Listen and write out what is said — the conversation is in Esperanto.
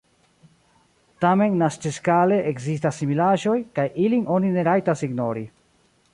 Tamen naciskale ekzistas similaĵoj, kaj ilin oni ne rajtas ignori.